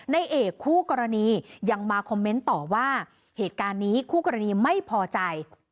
ในเอกคู่กรณียังมาคอมเมนต์ต่อว่าเหตุการณ์นี้คู่กรณีไม่พอใจ